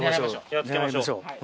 やっつけましょう。